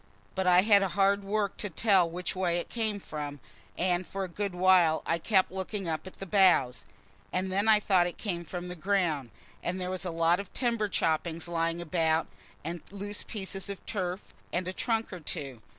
But I had hard work to tell which way it came from, and for a good while I kept looking up at the boughs. And then I thought it came from the ground; and there was a lot of timber choppings lying about, and loose pieces of turf, and a trunk or two.